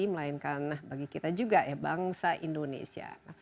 melainkan bagi kita juga ya bangsa indonesia